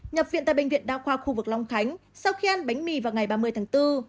nhập viện tại bệnh viện đa khoa khu vực long khánh sau khi ăn bánh mì vào ngày ba mươi tháng bốn